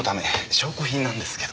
証拠品なんですけど。